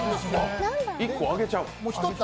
１個あげちゃう？